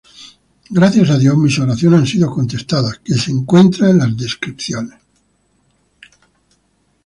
Gracias a Dios mis oraciones han sido contestadas "que se encuentra en las descripciones.